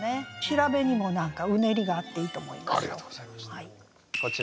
調べにも何かうねりがあっていいと思います。